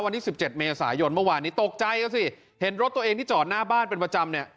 วันที่สิบเจ็ดเมษายนเมื่อวานนี้ตกใจกันสิเห็นรถตัวเองที่จอดหน้าบ้านเป็นประจำเนี่ย